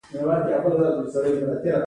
کومه پانګه یې چې زیاتېږي هغه بهر ته لېږدوي